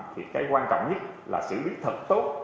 thì cái quan trọng nhất là xử biết thật tốt